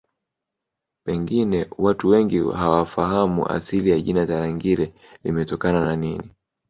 Pengine watu wengi hawafahamu asili ya jina Tarangire limetokana na nini